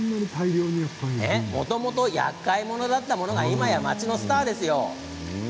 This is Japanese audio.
もともとやっかいものだったものが今や町のスターですよ。